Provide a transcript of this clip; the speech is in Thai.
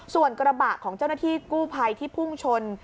ส่วนกระบะของเจ้าหน้าที่กู้ภัยที่พุ่งชน